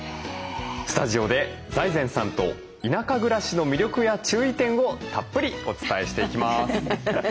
スタジオで財前さんと田舎暮らしの魅力や注意点をたっぷりお伝えしていきます。